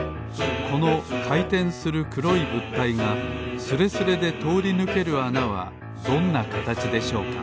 このかいてんするくろいぶったいがスレスレでとおりぬけるあなはどんなかたちでしょうか？